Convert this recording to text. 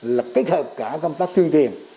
là kết hợp cả công tác thương tiền